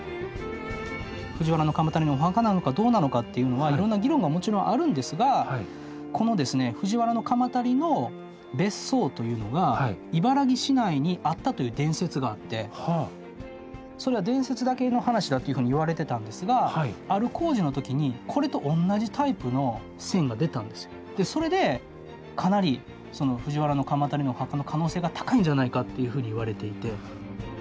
藤原鎌足のお墓なのかどうなのかっていうのはいろんな議論がもちろんあるんですがこのですねという伝説があってそれは伝説だけの話だというふうにいわれてたんですがある工事の時にそれでかなり藤原鎌足のお墓の可能性が高いんじゃないかっていうふうにいわれていて。